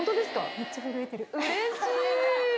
めっちゃ震えてる。